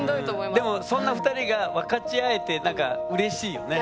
でもそんな２人が分かち合えてなんかうれしいよね。